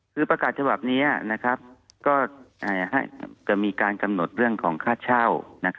คือประกาศฉบับนี้ก็จะมีการกำหนดเรื่องของค่าเช่า